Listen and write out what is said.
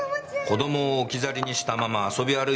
子供を置き去りにしたまま遊び歩いていた。